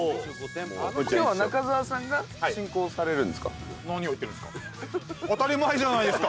今日は中澤さんが進行されるんですか？